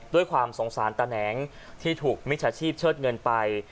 ด้วยความสงสารตาแหนงที่ถูกมิจฉาชีพเชิดเงินไป